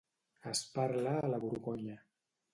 Es parla a la Borgonya.